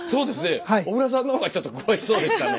小倉さんの方がちょっと詳しそうでしたね。